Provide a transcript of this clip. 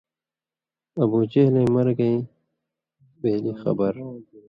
ابوجہلئیں مرگئیں بِیلی خبر